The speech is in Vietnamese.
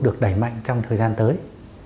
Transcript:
được đẩy mạnh trong thời gian tới